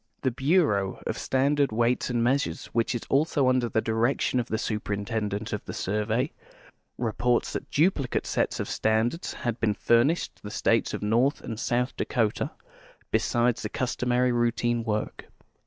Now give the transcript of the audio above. The " Bureau of Standard Weiglits ami ISIeasures," whicii is also under the direction of the Superintendent (jf the Survey, reports that duplicate setsof.standanls liad l)een furnished the states of North and South Dakota, besides tlie customary routine work.